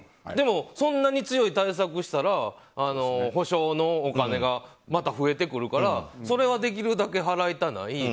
でも、そんなに強い対策したら補償のお金がまた増えてくるからそれはできるだけ払いたない。